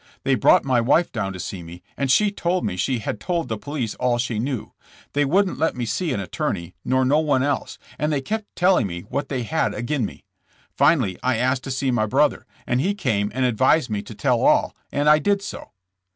They brought my wife down to see me, and she told me she had told the police all she knew. They "wouldn't let me see an attorney, nor no one else, and they kept telling me what they had agin me. Finally I asked to see my brother, and he came and advised me to tell all, and I did so."